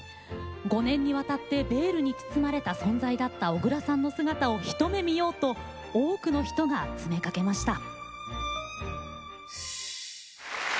５年にわたってベールに包まれた存在だった小椋さんの姿を一目見ようと多くの人が詰めかけました。